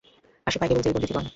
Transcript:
আর সে পায় কেবল জেলবন্দী জীবন।